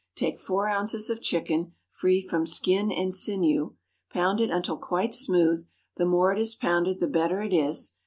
Take four ounces of chicken, free from skin and sinew; pound it until quite smooth; the more it is pounded the better it is.